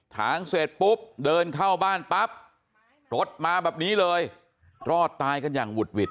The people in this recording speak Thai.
ทางเสร็จปุ๊บเดินเข้าบ้านปั๊บรถมาแบบนี้เลยรอดตายกันอย่างหุดหวิด